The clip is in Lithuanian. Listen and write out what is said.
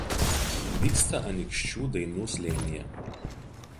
Vyksta Anykščių Dainų slėnyje.